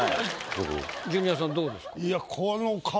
ジュニアさんどうですか？